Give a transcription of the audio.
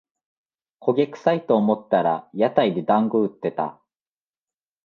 焦げくさいと思ったら屋台でだんご売ってた